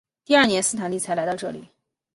第二年斯坦利才来到这里。